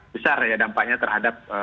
besar ya dampaknya terhadap